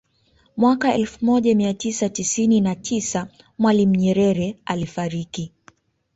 Mwaka elfu moja mia tisa tisini na tisa Mwalimu Nyerere alifariki